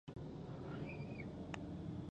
او د حج مراسم پیل شو